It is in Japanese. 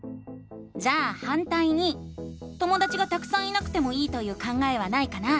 じゃあ「反対に」ともだちがたくさんいなくてもいいという考えはないかな？